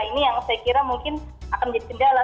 ini yang saya kira mungkin akan menjadi kendala